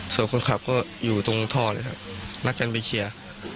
ส่วนคนขับก็อยู่ตรงท่อเลยครับนัดกันไปเชียร์